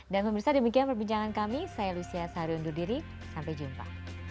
dan semoga demikian perbincangan kami saya lucia saharundudiri sampai jumpa